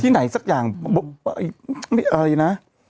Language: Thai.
ที่ไหนสักอย่างไม่เอ๋ยอะไรนะ